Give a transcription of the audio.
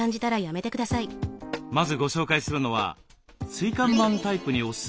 まずご紹介するのは椎間板タイプにおすすめのエクササイズ。